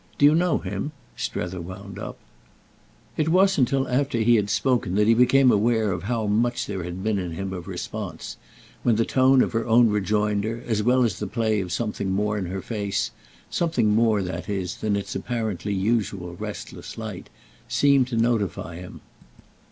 Do you know him?" Strether wound up. It wasn't till after he had spoken that he became aware of how much there had been in him of response; when the tone of her own rejoinder, as well as the play of something more in her face—something more, that is, than its apparently usual restless light—seemed to notify him.